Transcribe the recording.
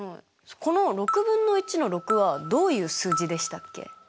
この６分の１の６はどういう数字でしたっけ？